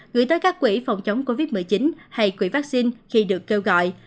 gửi tới các quỹ phòng chống covid một mươi chín hay quỹ vaccine khi được kêu gọi